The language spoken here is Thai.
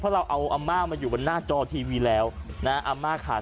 เพราะเราเอาอาม่ามาอยู่บนหน้าจอทีวีแล้วนะอาม่าขาด